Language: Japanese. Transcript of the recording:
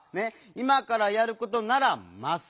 いまからやることなら「ます」ね。